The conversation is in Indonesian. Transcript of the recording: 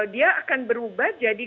dia akan berubah jadi